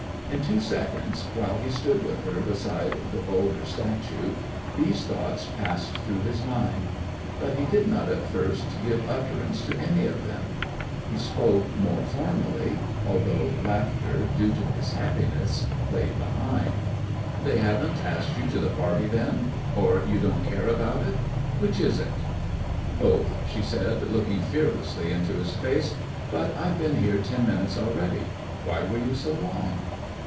In two seconds, while he stood with her beside the vulgar statue, these thoughts passed through his mind. But he did not at first give utterance to any of them. He spoke more formally, although laughter, due to his happiness, lay behind: "They haven't asked you to the party, then? Or you don't care about it? Which is it?" "Both," she said, looking fearlessly into his face. "But I've been here ten minutes already. Why were you so long?"